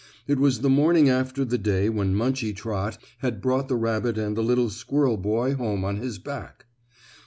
It was the morning after the day when Munchie Trot had brought the rabbit and the little squirrel boy home on his back.